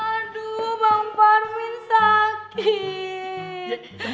aduh bang parmin sakit